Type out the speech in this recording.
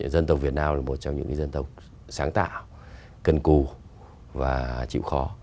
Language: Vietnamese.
dân tộc việt nam là một trong những dân tộc sáng tạo cân cù và chịu khó